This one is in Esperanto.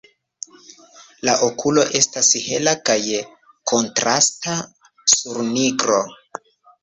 La okulo estas hela kaj kontrasta sur nigro.